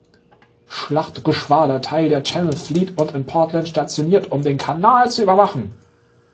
Schlachtgeschwader Teil der Channel Fleet und in Portland stationiert, um den Kanal zu überwachen.